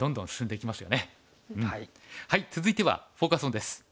続いてはフォーカス・オンです。